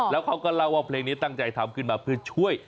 แล้วเขาก็เล่าว่าเพลงนี้ตั้งใจทำขึ้นมาเพื่อช่วย